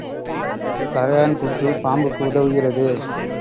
கறையான் புற்று பாம்புக்கு உதவுகிறது.